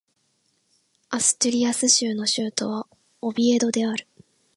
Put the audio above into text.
アストゥリアス州の州都はオビエドである